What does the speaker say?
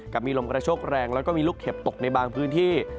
มีลมกระโชคแรงแล้วก็มีลูกเห็บตกในบางพื้นที่